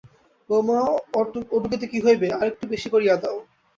বউমা, ওটুকুতে কী হইবে, আর-একটু বেশি করিয়া দাও।